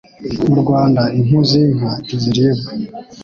Mu Rwanda impu z'inka ntiziribwa,